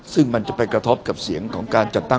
ซึ่งมันจะไปกระทบกับเสียงของการจัดตั้ง